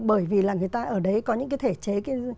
bởi vì là người ta ở đấy có những cái thể chế